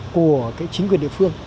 của cái chính quyền địa phương